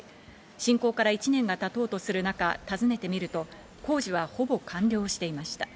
侵攻から１年が経とうとする中、訪ねてみると、工事はほぼ完了していました。